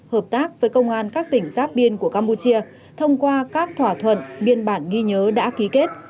hợp tác với công an các tỉnh giáp biên của campuchia thông qua các thỏa thuận biên bản ghi nhớ đã ký kết